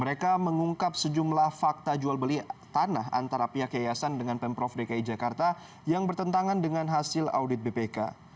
mereka mengungkap sejumlah fakta jual beli tanah antara pihak yayasan dengan pemprov dki jakarta yang bertentangan dengan hasil audit bpk